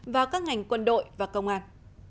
và các ngành quân đội và công an